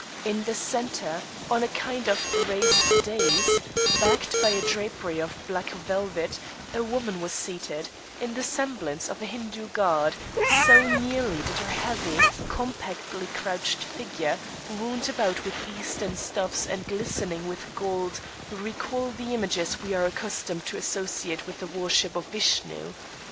In the center, on a kind of raised dais, backed by a drapery of black velvet, a woman was seated, in the semblance of a Hindoo god, so nearly did her heavy, compactly crouched figure, wound about with Eastern stuffs and glistening with gold, recall the images we are accustomed to associate with the worship of Vishnu.